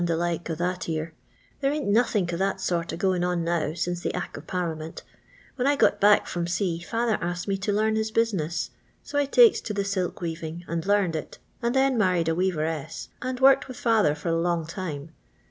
the like o' that ere. There ain't nothink ^ that sort apgoin' on now since the Ack of Parliament When I got back from sea father asked me to Lim his business; so I takes to the silk weaving and huned it, and then married a weaveiesB, and worked with fiither for a long time.